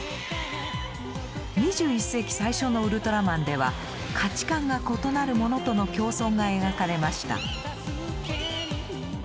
２１世紀最初のウルトラマンでは価値観が異なる者との共存が描かれました。